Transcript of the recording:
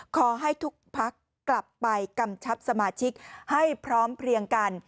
ขอให้ทุกพักกลับไปกำชับสมาชิกให้พร้อมเพลียงกัน